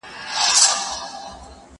زه بايد وخت تېرووم!!